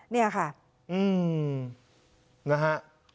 เนี่ยค่ะนะฮะ